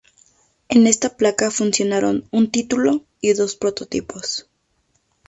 En esta placa funcionaron un título y dos prototipos.